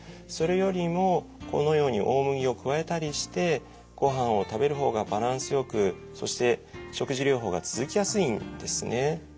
それよりもこのように大麦を加えたりしてご飯を食べる方がバランスよくそして食事療法が続きやすいんですね。